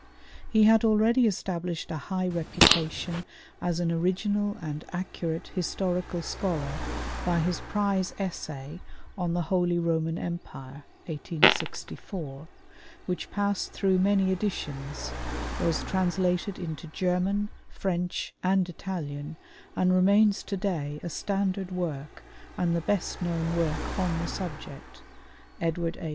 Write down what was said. He had already established a high reputation as an original and accurate historical scholar by his prize essay on the 'Holy Roman Empire' (1864), which passed through many editions, was translated into German, French, and Italian, and remains to day a standard work and the best known work on the subject, Edward A.